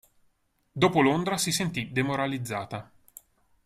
Dopo Londra si sentì demoralizzata.